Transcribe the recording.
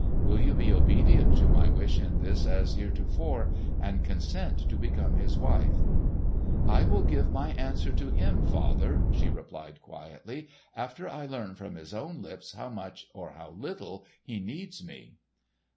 Will you be obedient to my wish in this as heretofore, and consent to become his wife?" "I will give my answer to him, father," she replied quietly, "after I learn from his own lips how much or little he needs me."